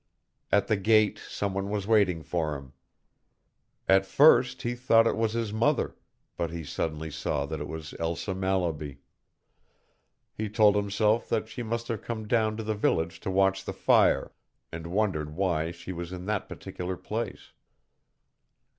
At the gate some one was waiting for him. At first he thought it was his mother, but he suddenly saw that it was Elsa Mallaby. He told himself that she must have come down to the village to watch the fire, and wondered why she was in that particular place.